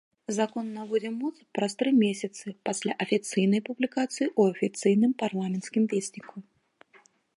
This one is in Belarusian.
Закон набудзе моц праз тры месяца пасля афіцыйнай публікацыі ў афіцыйным парламенцкім весніку.